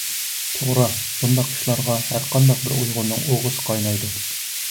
توغرا، بۇنداق ئىشلارغا ھەرقانداق بىر ئۇيغۇرنىڭ ئوغىسى قاينايدۇ.